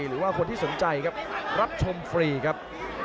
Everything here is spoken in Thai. หรือว่าคนที่สนใจครับรับชมฟรีครับ